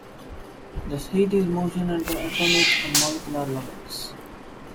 Thus, heat is motion at the atomic and molecular levels.